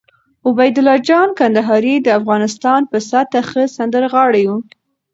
عبیدالله جان کندهاری د افغانستان په سطحه ښه سندرغاړی وو